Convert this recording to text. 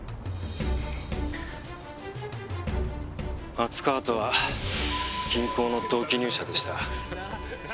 松川とは銀行の同期入社でした。